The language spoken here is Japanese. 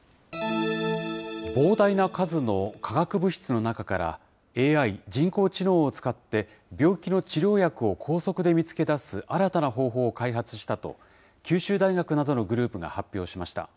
膨大な数の化学物質の中からＡＩ・人工知能を使って、病気を治療薬を高速で見つけ出す新たな方法を開発したと、九州大学などのグループが発表しました。